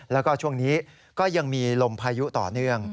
แล้วก็ช่วงนี้ก็ยังมีลมพายุต่อเนื่อง